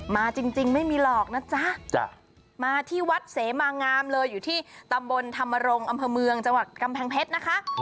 มาจริงไม่มีหรอกนะจ๊ะมาที่วัดเสมางามเลยอยู่ที่ตำบลธรรมรงค์อำเภอเมืองจังหวัดกำแพงเพชรนะคะ